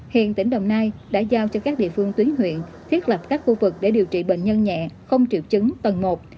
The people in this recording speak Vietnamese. hiện tỉnh đồng nai đã giao cho các địa phương tuyến huyện thiết lập các khu vực để điều trị bệnh nhân nhẹ không triệu chứng tầng một